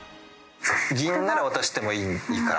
銀なら渡してもいいから。